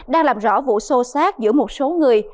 đang làm rõ vụ xô xát giữa một số người